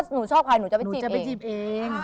หนูชอบใครหนูจะไปจีบเอง